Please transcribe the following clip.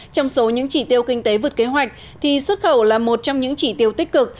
trong số những chỉ tiêu kinh tế vượt kế hoạch thì xuất khẩu là một trong những chỉ tiêu tích cực